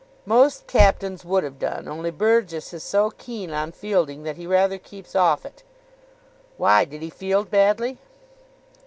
"Most captains would have done, only Burgess is so keen on fielding that he rather keeps off it." "Why, did he field badly?"